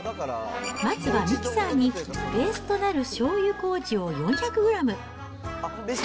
まずはミキサーに、ベースとなるしょうゆこうじを４００グラム。